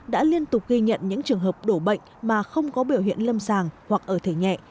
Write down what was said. đã liên tục ghi nhận những trường hợp đổ bệnh mà không có biểu hiện lâm sàng hoặc ở thể nhẹ